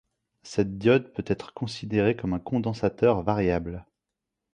Cette diode peut être considérée comme un condensateur variable.